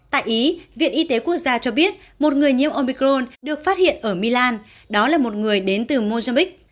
tại ý viện y tế quốc gia cho biết một người nhiễm omicron được phát hiện ở milan đó là một người đến từ mozambique